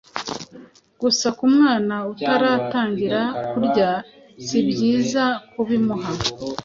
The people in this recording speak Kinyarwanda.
gusa ku mwana utaratangira kurya sibyiza kubimuha